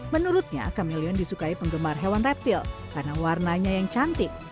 menurutnya kamelion disukai penggemar hewan reptil karena warnanya yang cantik